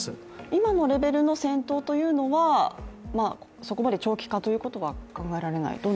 今のレベルの戦闘というのはそこまで長期化ということは考えられますか？